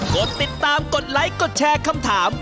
กดติดตามกดไลค์กดแชร์คำถาม